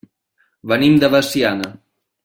Venim de Veciana.